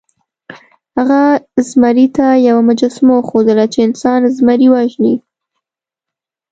هغه زمري ته یوه مجسمه وښودله چې انسان زمری وژني.